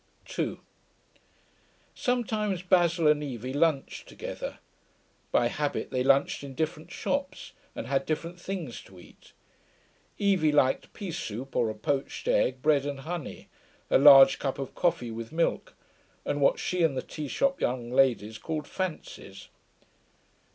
2 Sometimes Basil and Evie lunched together. By habit they lunched in different shops and had different things to eat. Evie liked pea soup, or a poached egg, bread and honey, a large cup of coffee with milk, and what she and the tea shop young ladies called fancies.